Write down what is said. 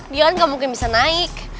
dia tidak mungkin bisa naik